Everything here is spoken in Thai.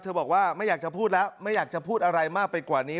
บอกว่าไม่อยากจะพูดแล้วไม่อยากจะพูดอะไรมากไปกว่านี้